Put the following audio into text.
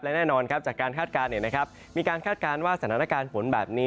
และแน่นอนจากการคาดการณ์มีการคาดการณ์ว่าสถานการณ์ฝนแบบนี้